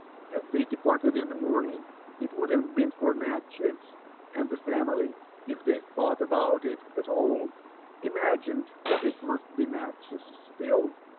Had they departed in the morning, it would have been for Natchez ; and the family, if they thought about it at all, imagined that it miit be Natchez still.